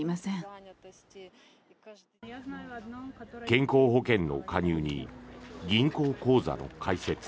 健康保険の加入に銀行口座の開設。